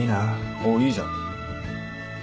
おっいいじゃん。